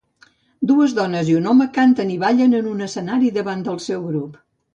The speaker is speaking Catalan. Dues dones i un home canten i ballen en un escenari davant del seu grup.